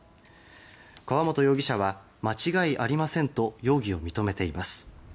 川本容疑者は間違いありませんと容疑を認めています。